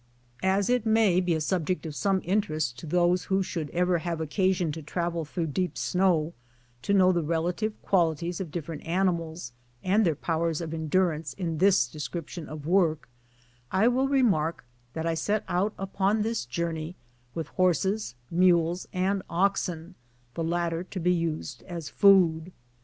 As it may be a subject of some interest to those who should ever have occasion to travel through deep snow to know the relative qualities of different animals, and their powers of endurance in this description of work, I will re mark that I set out upon this journey with horses, mules, and oxen, the latter to be used as food.